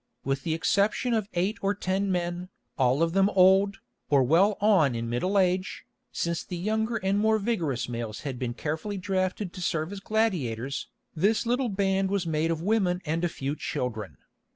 With the exception of eight or ten men, all of them old, or well on in middle age, since the younger and more vigorous males had been carefully drafted to serve as gladiators, this little band was made of women and a few children.